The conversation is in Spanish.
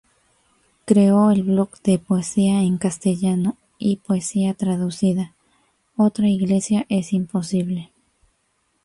Creó el blog de poesía en castellano y poesía traducida ""Otra Iglesia es Imposible"".